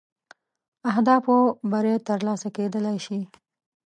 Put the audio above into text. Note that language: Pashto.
اهدافو بری تر لاسه کېدلای شي.